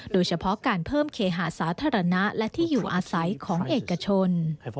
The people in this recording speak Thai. โดยเฉพาะการเพิ่มเคหาสาธารณะและที่อยู่อาศัยของเอกชน